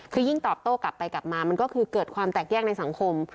คือยิ่งตอบโต้กลับไปกลับมามันก็คือเกิดความแตกแยกในสังคม